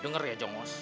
dengar ya jongos